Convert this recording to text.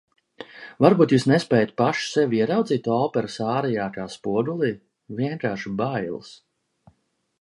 Varbūt jūs nespējat paši sevi ieraudzīt operas ārijā kā spogulī? Vienkārši bailes.